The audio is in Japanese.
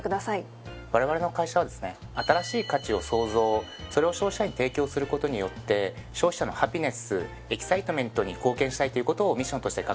われわれの会社はですね新しい価値を創造それを消費者に提供することによって消費者のハピネスエキサイトメントに貢献したいということをミッションとして掲げています。